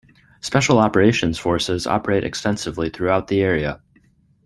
Special Operations Forces operate extensively throughout the area.